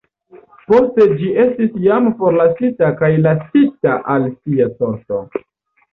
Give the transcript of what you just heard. Poste ĝi estis jam forlasita kaj lasita al sia sorto.